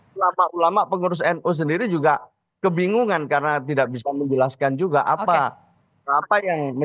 selama lama pengurus nu sendiri juga kebingungan karena tidak bisa menjelaskan juga apa yang menelatar belakangi pencalonan tersebut